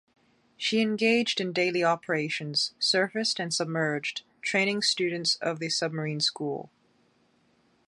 She engaged in daily operations, surfaced and submerged, training students of the submarine school.